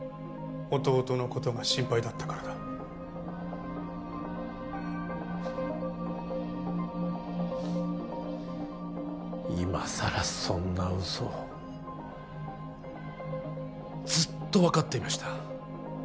弟のことが心配だったからだ今さらそんな嘘をずっと分かっていました